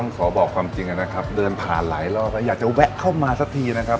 ขอบอกความจริงนะครับเดินผ่านหลายรอบแล้วอยากจะแวะเข้ามาสักทีนะครับ